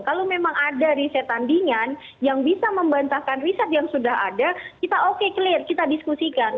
kalau memang ada riset tandingan yang bisa membantahkan riset yang sudah ada kita oke clear kita diskusikan